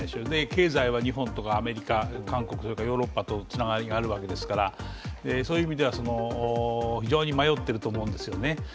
経済は日本とかアメリカ、韓国、ヨーロッパとつながりがあるわけですから、そういう意味では非常に迷っていると思うんですよね。